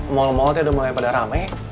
malem malem udah mulai pada rame